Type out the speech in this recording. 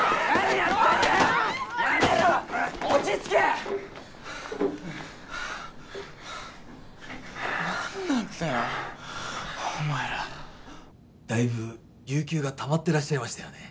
やめろ落ち着けッ何なんだよお前らだいぶ有給がたまってらっしゃいましたよね